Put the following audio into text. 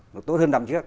nó tốt hơn năm trước